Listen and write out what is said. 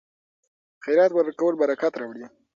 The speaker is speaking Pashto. خیرات ورکول برکت راوړي.